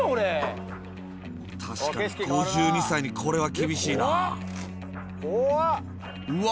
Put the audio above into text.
確かに５２歳にこれは厳しい怖。